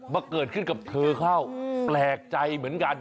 เกิดขึ้นกับเธอเข้าแปลกใจเหมือนกัน